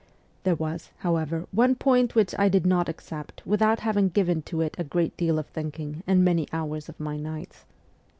There was, however, one point which I did not accept without having given to it a great deal of thinking and many hours of my nights.